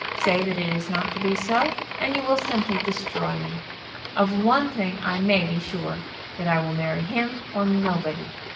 Say that it is not to be so, and you will simply destroy me. Of one thing I may be sure, that I will marry him or nobody.